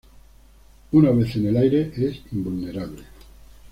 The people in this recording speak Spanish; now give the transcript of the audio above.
Una vez en el aire, es invulnerable.